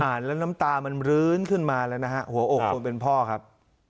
แล้วน้ำตามันรื้นขึ้นมาแล้วนะฮะหัวอกคนเป็นพ่อครับ